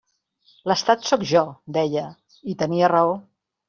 L'Estat sóc jo, deia; i tenia raó.